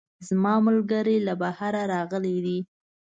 زما ملګرۍ له بهره راغلی ده